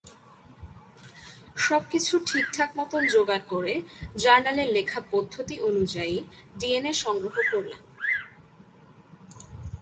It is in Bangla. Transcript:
সবকিছু ঠিকঠাক মতন জোগাড় করে, জার্নালের লেখা পদ্ধতি অনুযায়ী ডিএনএ সংগ্রহ করলাম।